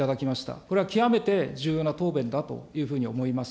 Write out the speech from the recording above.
これは極めて重要な答弁だというふうに思います。